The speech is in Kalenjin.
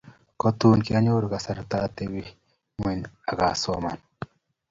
Kotun kianyoru kasarta atebi ngweny akasoman